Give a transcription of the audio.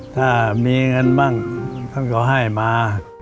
ถ้ามีเงินบ้างท่านก็ให้มา